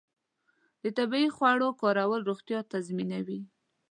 د طبیعي خوړو کارول روغتیا تضمینوي.